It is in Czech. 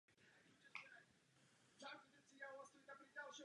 Objevuje se v několika dalších filmech jako klavírista.